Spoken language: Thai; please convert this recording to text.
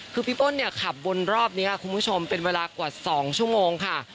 คือพี่เปิ้ลเนี่ยขับบนรอบนี้คุณผู้ชมเป็นเวลากว่า๒ชั่วโมงค่ะ